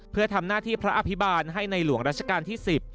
เพื่อทำหน้าที่พระอภิบาลให้ในหลวงราชการที่๑๐